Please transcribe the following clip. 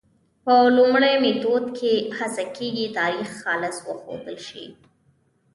په لومړي میتود کې هڅه کېږي تاریخ خالص وښودل شي.